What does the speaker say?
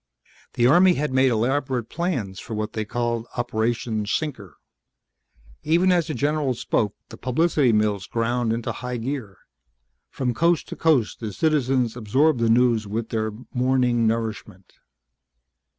The Army had made elaborate plans for what they called "Operation Sinker." Even as the general spoke the publicity mills ground into high gear. From coast to coast the citizens absorbed the news with their morning nourishment.